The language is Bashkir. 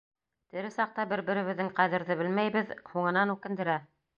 Тере саҡта бер-беребеҙҙең ҡәҙерҙе белмәйбеҙ, һуңынан үкендерә.